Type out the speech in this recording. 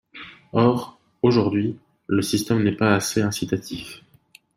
Or, aujourd’hui, le système n’est pas assez incitatif.